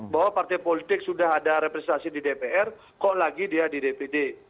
bahwa partai politik sudah ada representasi di dpr kok lagi dia di dpd